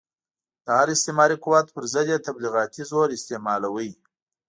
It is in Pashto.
د هر استعماري قوت پر ضد یې تبلیغاتي زور استعمالاوه.